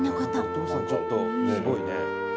お父さんちょっとすごいね。